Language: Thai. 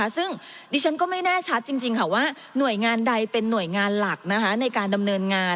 ซึ่งดิฉันก็ไม่แน่ชัดจริงว่าหน่วยงานใดเป็นหน่วยงานหลักในการดำเนินงาน